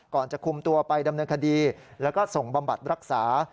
จะคุมตัวไปดำเนินคดีแล้วก็ส่งบำบัดรักษา